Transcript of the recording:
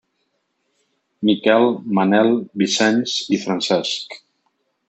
Miquel, Manel, Vicenç i Francesc.